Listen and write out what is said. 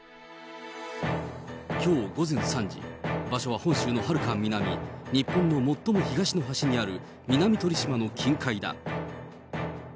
きょう午前３時、場所は本州のはるか南、日本の最も東の端にある南鳥島の近海だ。